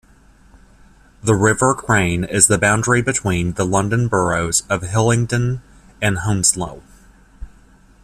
The River Crane is the boundary between the London boroughs of Hillingdon and Hounslow.